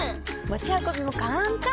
持ち運びも簡単！